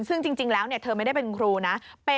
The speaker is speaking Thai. ซึ่งจริงแล้วเธอไม่ได้เป็นครูนะ